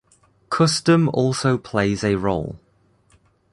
Custom also plays a role.